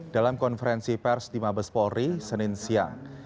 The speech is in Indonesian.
dalam konferensi pers di mabes polri senin siang